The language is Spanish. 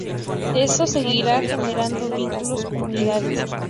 Eso seguirá generando vínculos, comunidades…""